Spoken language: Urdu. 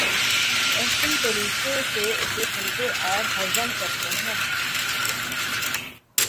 احسن طریقے سے اسے سنتے اور ہضم کرتے ہیں۔